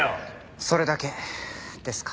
それだけですか？